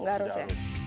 tidak harus ya